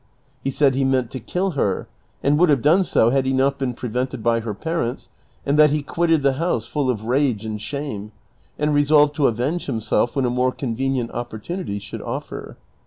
He said he meant to kill her, and would liave done so had he not been prevented by her parents, and that he quitted the house full of rage and shame, and resolved to avenge himself when a more convenient opportunity shoidd offer.